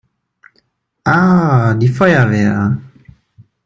Ah, die Feuerwehr!